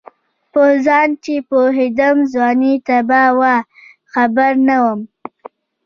په ځان چې پوهېدم ځواني تباه وه خبر نه وم